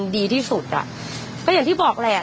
ดีที่สุดอ่ะก็อย่างที่บอกแหละ